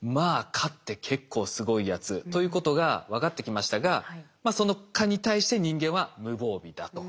蚊って結構すごいやつということが分かってきましたがその蚊に対して人間は無防備だと。